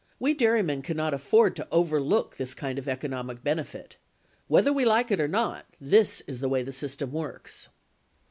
We dairymen cannot afford to overlook this kind of economic benefit. Whether we like it or not, this is the way the system works.